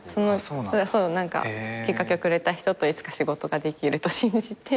きっかけをくれた人といつか仕事ができると信じて。